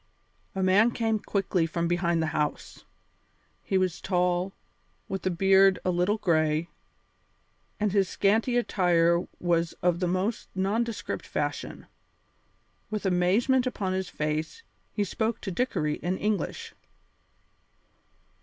A man came quickly from behind the house. He was tall, with a beard a little gray, and his scanty attire was of the most nondescript fashion. With amazement upon his face, he spoke to Dickory in English.